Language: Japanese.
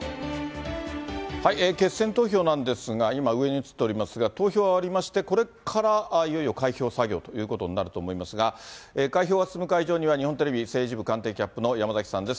決選投票なんですが、今、上に映っておりますが、投票は終わりまして、これからいよいよ開票作業ということになると思いますが、開票が進む会場には、日本テレビ政治部官邸キャップの山崎さんです。